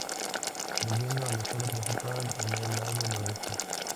Volviendo a la sala principal, en el lado Noroeste.